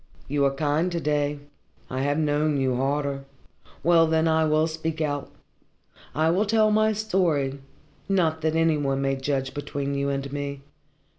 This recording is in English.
You are kind to day I have known you harder. Well, then, I will speak out. I will tell my story, not that any one may judge between you and me.